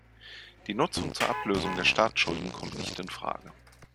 Die Nutzung zur Ablösung der Staatsschulden kommt nicht in Frage.